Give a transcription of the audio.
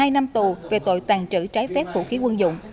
hai năm tù về tội tàn trữ trái phép vũ khí quân dụng